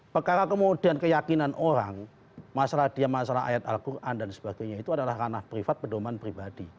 perkara kemudian keyakinan orang masalah dia masalah ayat al quran dan sebagainya itu adalah ranah privat pedoman pribadi